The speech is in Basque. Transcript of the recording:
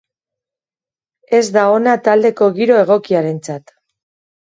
Ez da ona taldeko giro egokiarentzat.